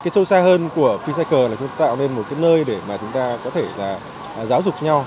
sâu xa hơn của freecycle là chúng ta tạo nên một nơi để chúng ta có thể giáo dục nhau